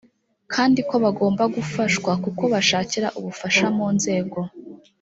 kandi ko bagomba gufashwa kuko bashakira ubufasha mu nzego